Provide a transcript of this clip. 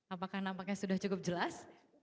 apakah nampaknya sudah cukup jelas